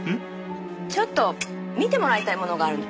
ちょっと見てもらいたいものがあるの。